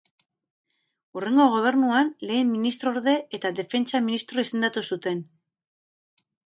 Hurrengo gobernuan, lehen ministrorde eta Defentsa ministro izendatu zuten.